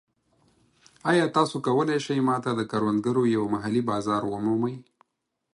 ایا تاسو کولی شئ ما ته د کروندګرو یو محلي بازار ومومئ؟